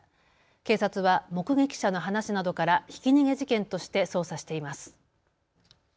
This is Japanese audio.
警察は目撃者の話などからひき逃げ事件として捜査しています。